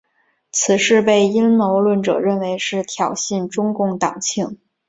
此事被阴谋论者认为是挑衅中共党庆。